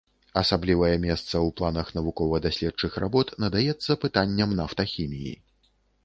Асаблівае месца ў планах навукова-даследчых работ надаецца пытанням нафтахіміі.